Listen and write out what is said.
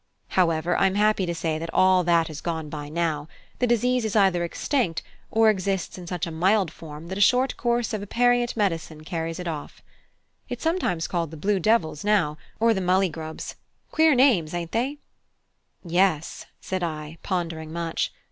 However, I'm happy to say that all that is gone by now; the disease is either extinct, or exists in such a mild form that a short course of aperient medicine carries it off. It is sometimes called the Blue devils now, or the Mulleygrubs. Queer names, ain't they?" "Yes," said I, pondering much.